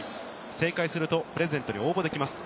正解するとプレゼントに応募できます。